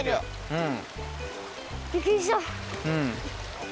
うん。